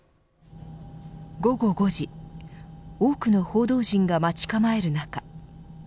午後５時多くの報道陣が待ち構える中。